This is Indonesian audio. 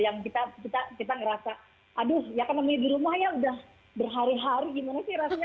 yang kita ngerasa aduh ya kan namanya di rumah ya udah berhari hari gimana sih rasanya